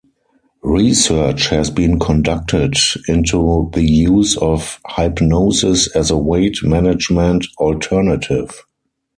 Research has been conducted into the use of hypnosis as a weight management alternative.